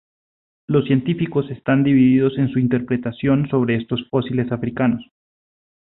Los científicos están divididos en su interpretación sobre estos fósiles africanos.